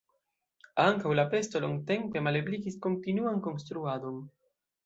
Ankaŭ la pesto longtempe malebligis kontinuan konstruadon.